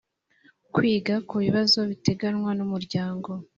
kwiga ku bibazo biteganywa n’umuryango